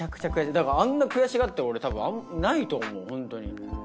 だからあんな悔しがってる俺たぶんないと思うホントに。